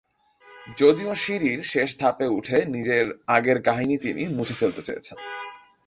যদিও সিঁড়ির শেষ ধাপে উঠে নিজের আগের কাহিনী তিনি মুছে ফেলতে চেয়েছেন।